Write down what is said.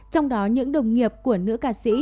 trong đó những đồng nghiệp của nữ ca sĩ